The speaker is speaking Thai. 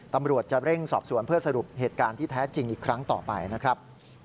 ตำรวจจะเร่งสอบสวนเพื่อสรุปเหตุการณ์ที่แท้จริงอีกครั้งต่อไปนะครับ